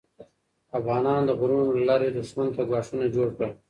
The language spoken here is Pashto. افغانانو د غرونو له لارې دښمن ته ګواښونه جوړ کړل.